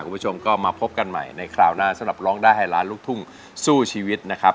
คุณผู้ชมก็มาพบกันใหม่ในคราวหน้าสำหรับร้องได้ให้ล้านลูกทุ่งสู้ชีวิตนะครับ